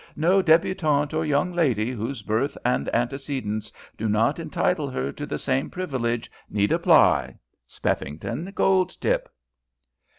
No debutante or young lady whose birth and antecedents do not entitle her to the same privilege need apply. SPIFFINGTON GOLDTIP.'